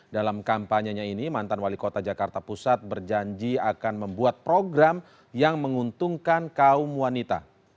dalam kampanyenya ini mantan wali kota jakarta pusat berjanji akan membuat program yang menguntungkan kaum wanita